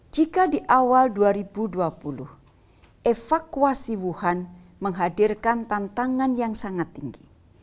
jika di awal dua ribu dua puluh evakuasi wuhan menghadirkan tantangan yang sangat tinggi